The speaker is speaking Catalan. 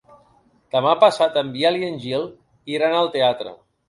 Demà passat en Biel i en Gil iran al teatre.